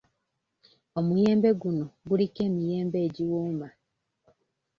Omuyembe guno guliko emiyembe egiwooma.